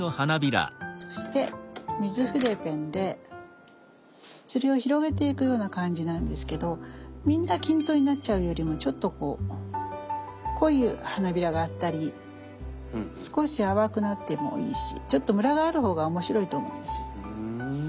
そして水筆ペンでそれを広げていくような感じなんですけどみんな均等になっちゃうよりもちょっとこう濃い花びらがあったり少し淡くなってもいいしちょっとムラがある方が面白いと思います。